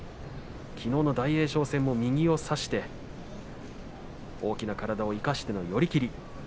きのうの大栄翔戦、右を差して大きな体を生かして寄り切り。